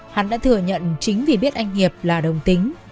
hắn đã thừa nhận chính vì biết anh hiệp là đồng tính